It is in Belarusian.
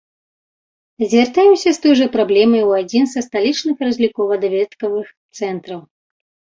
Звяртаемся з той жа праблемай у адзін са сталічных разлікова-даведкавых цэнтраў.